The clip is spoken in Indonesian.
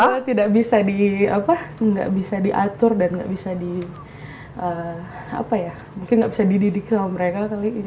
gue tidak bisa diatur dan gak bisa dididik sama mereka